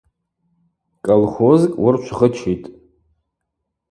Кӏалхозкӏ уырчвгъычитӏ.